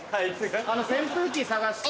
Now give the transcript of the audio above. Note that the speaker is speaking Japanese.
あの扇風機探して。